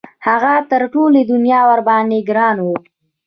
هغه تر ټولې دنیا ورباندې ګران وو.